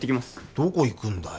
どこ行くんだよ？